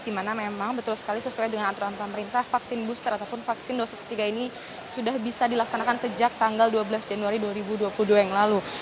di mana memang betul sekali sesuai dengan aturan pemerintah vaksin booster ataupun vaksin dosis ketiga ini sudah bisa dilaksanakan sejak tanggal dua belas januari dua ribu dua puluh dua yang lalu